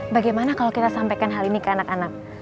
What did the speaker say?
bagaimana kalau kita sampaikan hal ini ke anak anak